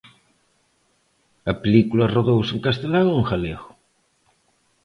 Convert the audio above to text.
A película rodouse en castelán ou en galego?